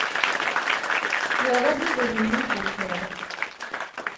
Yerra-d idrimen i yuker.